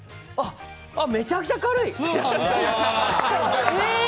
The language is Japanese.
めちゃくちゃ軽い。